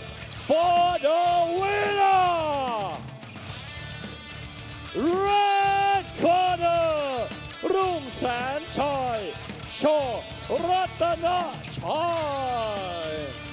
สำเร็จเป็นราคารุงแทนชัยชอรัตตานชัย